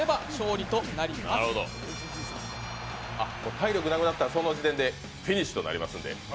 体力なくなったら、その時点でフィニッシュとなりますので。